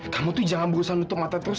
kamu tuh jangan berusaha nutup mata terus